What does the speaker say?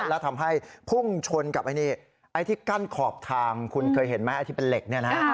แล้วทำให้พุ่งชนกับไอ้นี่ไอ้ที่กั้นขอบทางคุณเคยเห็นไหมไอ้ที่เป็นเหล็กเนี่ยนะ